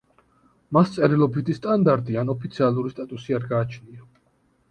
მას წერილობითი სტანდარტი ან ოფიციალური სტატუსი არ გააჩნია.